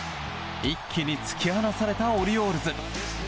一気に突き放されたオリオールズ。